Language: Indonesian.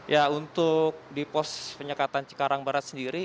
ya untuk di pos penyekatan cikarang barat sendiri